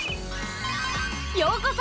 ようこそ！